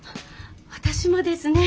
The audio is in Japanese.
私もですね